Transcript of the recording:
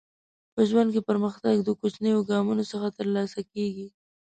په ژوند کې پرمختګ د کوچنیو ګامونو څخه ترلاسه کیږي.